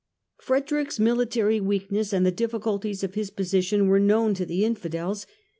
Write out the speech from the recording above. Frederick's military weakness and the difficulties of his position were known to the Infidels.